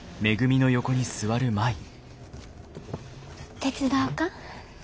手伝おか？